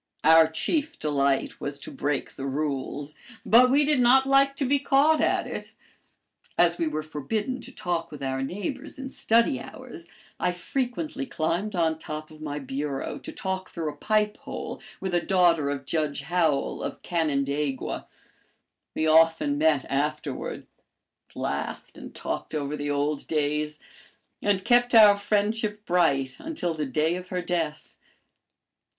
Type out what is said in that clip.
"Our chief delight was to break the rules, but we did not like to be caught at it. As we were forbidden to talk with our neighbors in study hours, I frequently climbed on top of my bureau to talk through a pipe hole with a daughter of Judge Howell of Canandaigua. We often met afterward, laughed and talked over the old days, and kept our friendship bright until the day of her death.